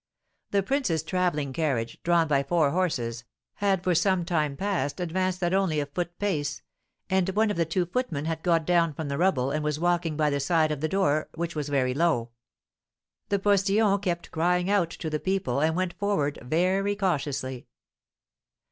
The prince's travelling carriage, drawn by four horses, had for some time past advanced at only a foot pace, and one of the two footmen had got down from the rumble and was walking by the side of the door, which was very low; the postilions kept crying out to the people, and went forward very cautiously.